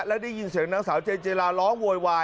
และได้ยินเสียงนางสาวเจนเจลาร้องโวยวาย